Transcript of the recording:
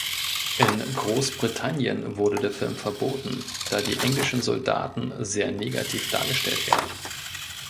In Großbritannien wurde der Film verboten, da die englischen Soldaten sehr negativ dargestellt werden.